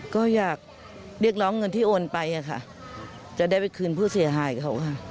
ก็อยากเรียกร้องเงินที่โอนไปค่ะจะได้ไปคืนผู้เสียหายเขาค่ะ